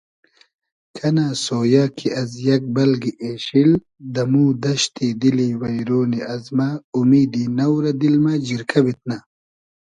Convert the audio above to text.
کئنۂ سۉیۂ کی از یئگ بئلگی اېشیل دئمو دئشتی دیلی وݷرۉنی ازمۂ اومیدی نۆ رۂ دیل مۂ جیرکۂ بیتنۂ